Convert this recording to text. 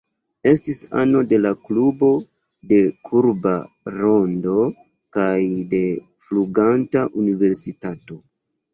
Estis ano de la Klubo de Kurba Rondo kaj de Fluganta Universitato.